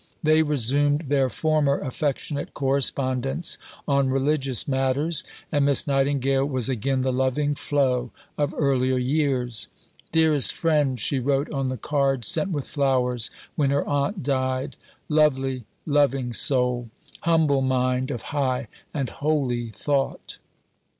They resumed their former affectionate correspondence on religious matters, and Miss Nightingale was again the "loving Flo" of earlier years. "Dearest friend," she wrote on the card sent with flowers when her aunt died; "lovely, loving soul; humble mind of high and holy thought."